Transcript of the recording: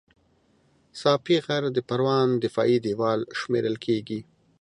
ساپی غر د پروان دفاعي دېوال شمېرل کېږي